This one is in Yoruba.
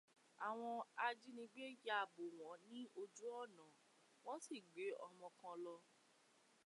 Àwọn ajínigbé ya bò wọ́n ní ojú ọ̀nà, wọ́n sì gbé ọmọ kan lọ